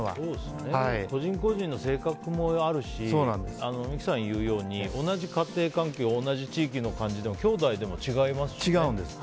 個人個人の性格もあるし三木さん言うように同じ家庭環境同じ地域の感じでも兄弟でも違いますしね。